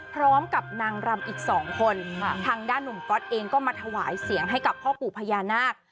พร้อมกับนางรำอีกสองคนทางด้านหนุ่มก๊อตเองก็มาถวายเสียงให้กับพ่อปู่พญานาค